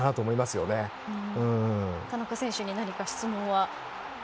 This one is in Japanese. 田中選手に何か質問は？